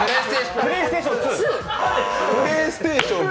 プレイステーション２。